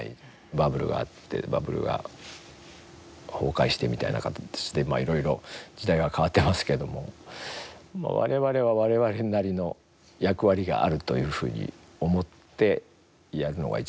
バブルがあってバブルが崩壊してみたいな形でいろいろ時代が変わってますけど我々は我々なりの役割があるというふうに思ってやるのがＢ